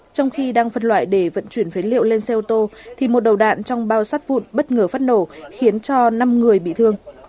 trong khi đang phân loại để vận chuyển phế liệu lên xe ô tô thì một đầu đạn trong bao sắt vụn bất ngờ phát nổ khiến cho năm người bị thương